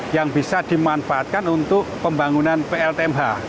yang bisa dimanfaatkan untuk pembangunan pltmh